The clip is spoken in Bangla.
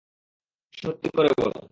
সত্যি করে বলো।